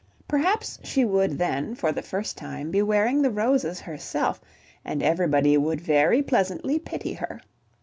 Perhaps she would then, for the first time, be wearing the roses herself, and everybody would very pleasantly pity her.